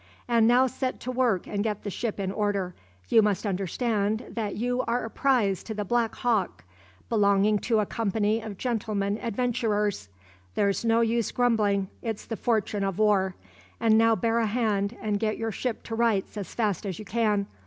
"And now set to work and get the ship in order. You must understand that you are a prize to the `Black Hawk,' belonging to a company of gentlemen adventurers. There's no use grumbling: it's the fortune of war. And now bear a hand and get your ship to rights as fast as you can.